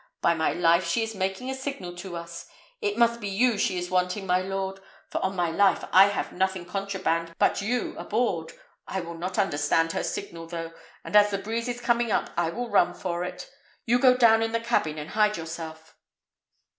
By my life, she is making a signal to us! It must be you she is wanting, my lord; for on my life I have nothing contraband but you aboard. I will not understand her signal, though; and as the breeze is coming up, I will run for it. Go you down in the cabin and hide yourself."